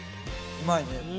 うまいね。